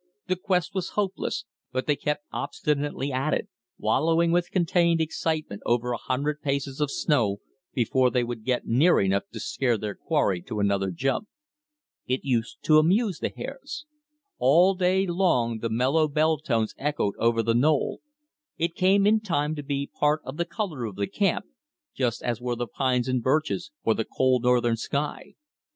The quest was hopeless, but they kept obstinately at it, wallowing with contained excitement over a hundred paces of snow before they would get near enough to scare their quarry to another jump. It used to amuse the hares. All day long the mellow bell tones echoed over the knoll. It came in time to be part of the color of the camp, just as were the pines and birches, or the cold northern sky.